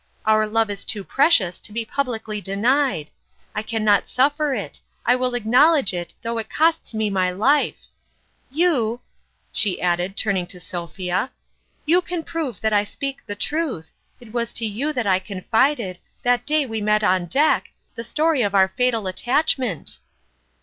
Our love is too pre cious to be publicly denied. I can not suffer it ; I will acknowledge it, though it costs me my life ! You," she added, turning to Sophia " you can prove that I speak the truth. It was to you that I confided, that day we met on deck, the story of our fatal attachment."